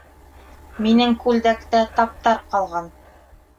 Минең күлдәктә таптар ҡалган